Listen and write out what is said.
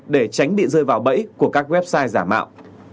để tránh bị rơi vào bẫy của các website giả mạo